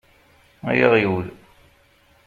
Ay aɣyul!